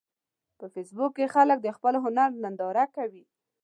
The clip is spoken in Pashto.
په فېسبوک کې خلک د خپل هنر ننداره کوي